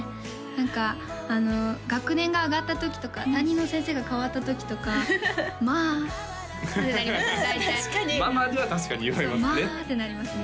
何かあの学年が上がった時とか担任の先生が変わった時とか「ま」ぐらいですもん大体確かに「舞」までは確かに読めますね「ま」ってなりますね